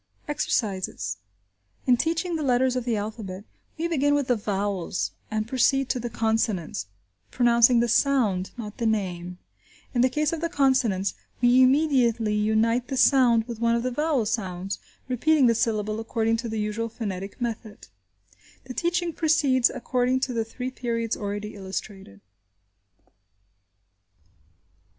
Exercises. In teaching the letters of the alphabet, we begin with the vowels and proceed to the consonants, pronouncing the sound, not the name. In the case of the consonants, we immediately unite the sound with one of the vowel sounds, repeating the syllable according to the usual phonetic method. The teaching proceeds according to the three periods already illustrated.